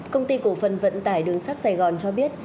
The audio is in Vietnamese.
công ty cổ phần vận tải đường sắt sài gòn cho biết